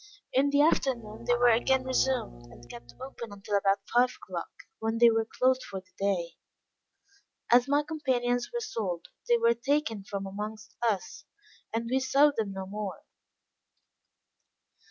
In the afternoon they were again resumed, and kept open until about five o'clock, when they were closed for the day. As my companions were sold, they were taken from amongst us, and we saw them no more.